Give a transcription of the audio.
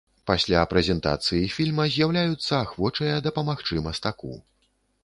Пасля прэзентацыі фільма з'яўляюцца ахвочыя дапамагчы мастаку.